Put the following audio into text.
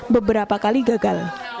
beberapa kali gagal